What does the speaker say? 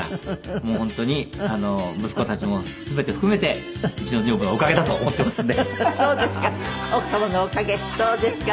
もう本当に息子たちも全て含めてうちの女房のおかげだと思ってますんで。